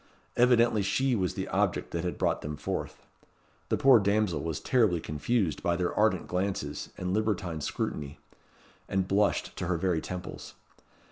Evidently she was the object that had brought them forth. The poor damsel was terribly confused by their ardent glances and libertine scrutiny, and blushed to her very temples.